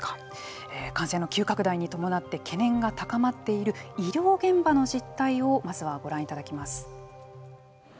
感染の急拡大に伴って懸念が高まっている医療現場の実態をまずはご覧いただきます。